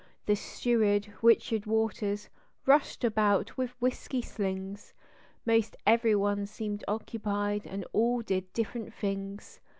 The steward, Richard Waters, rushed about with whiskey slings; Most even one seemed occupied and all did different things.